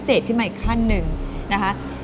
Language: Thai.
แจ็คอเรียกคุณแจ็คนะครับ